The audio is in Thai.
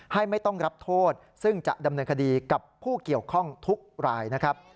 ไม่ต้องรับโทษซึ่งจะดำเนินคดีกับผู้เกี่ยวข้องทุกรายนะครับ